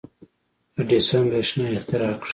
• اډیسن برېښنا اختراع کړه.